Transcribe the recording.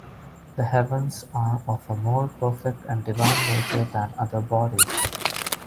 The heavens are of a more perfect and divine nature than other bodies.